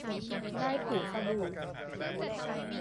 ได้ถูสบู่